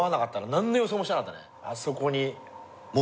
何の予想もしてなかったね。